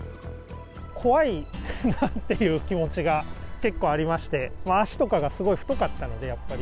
怖いなっていう気持ちが結構ありまして、足とかがすごい太かったので、やっぱり。